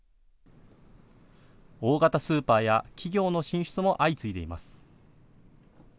大型スーパーや企業の進出も相次いでいます。